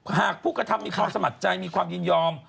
หากผู้กระทำมีความสมัครใจมีความยินยอม